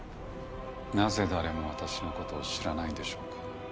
なぜ誰も私の事を知らないんでしょうか？